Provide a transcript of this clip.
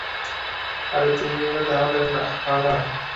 আরে, তুমিই তাহলে হা-না।